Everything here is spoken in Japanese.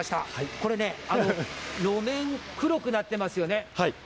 これね、路面黒くなってますよね。